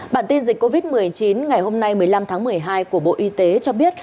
bản tin dịch covid một mươi chín ngày hôm nay một mươi năm tháng một mươi hai của bộ y tế cho biết